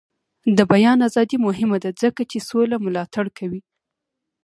د بیان ازادي مهمه ده ځکه چې سوله ملاتړ کوي.